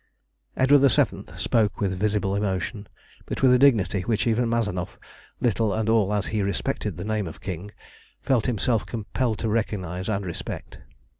Edward VII. spoke with visible emotion, but with a dignity which even Mazanoff, little and all as he respected the name of king, felt himself compelled to recognise and respect.